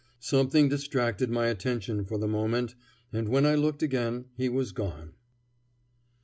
Something distracted my attention for the moment, and when I looked again he was gone.